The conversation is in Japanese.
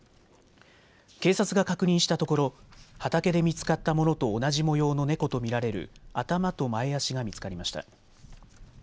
警察が確認したところ畑で見つかったものと同じ模様の猫と見られる頭と前足が見つかりました。